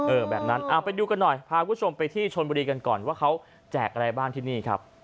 แบบนั้นเอาไปดูกันหน่อยพาคุณผู้ชมไปที่ชนบุรีกันก่อนว่าเขาแจกอะไรบ้างที่นี่ครับ